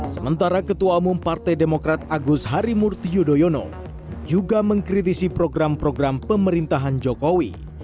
sementara ketua umum partai demokrat agus harimurti yudhoyono juga mengkritisi program program pemerintahan jokowi